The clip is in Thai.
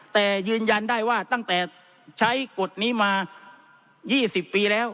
แต่ยืนยันได้ว่าตั้งแต่ใช้กฎนี้มา๒๐ปีแล้ว